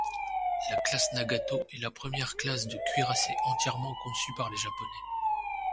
La classe Nagato est la première classe de cuirassés entièrement conçue par les Japonais.